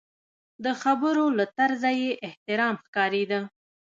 د خبرو له طرزه یې احترام ښکارېده.